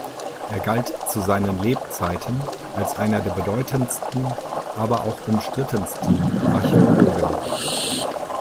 Er galt zu seinen Lebzeiten als einer der bedeutendsten, aber auch umstrittensten Archäologen.